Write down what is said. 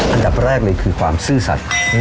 อันดับแรกเลยคือความซื่อสัตว์